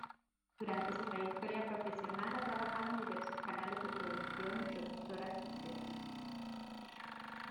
Durante su trayectoria profesional ha trabajado en diversos canales de televisión y productoras independientes.